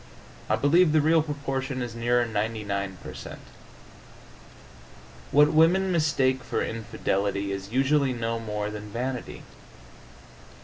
I believe the real proportion is nearer 99 per cent. What women mistake for infidelity is usually no more than vanity.